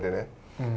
うん。